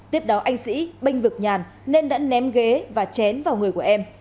tiếp đó anh sĩ bênh vực nhàn nên đã ném ghế và chén vào người của em